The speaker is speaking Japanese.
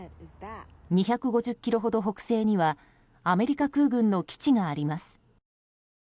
２５０ｋｍほど北西にはアメリカ空軍の基地があります。